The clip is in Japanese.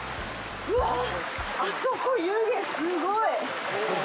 わあ、あそこ湯気すごい。